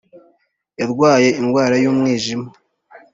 Yarwaye indwara y’umwijima